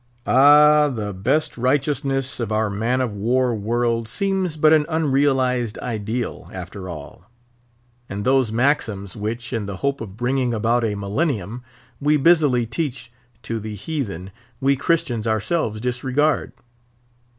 Ah! the best righteousness of our man of war world seems but an unrealised ideal, after all; and those maxims which, in the hope of bringing about a Millennium, we busily teach to the heathen, we Christians ourselves disregard.